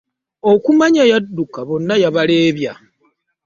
Okumanya yadduka bonna yabaleebya.